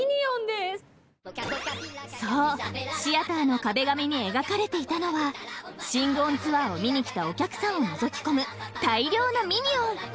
［そうシアターの壁紙に描かれていたのはシング・オン・ツアーを見に来たお客さんをのぞき込む大量のミニオン！］